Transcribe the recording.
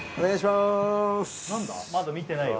すまだ見てないよ